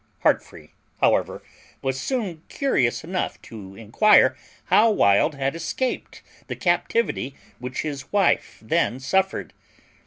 Heartfree however was soon curious enough to inquire how Wild had escaped the captivity which his wife then suffered.